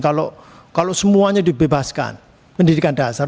kalau semuanya dibebaskan pendidikan dasar